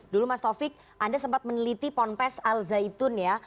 dulu mas taufik anda sempat meneliti ponpes al zaitun ya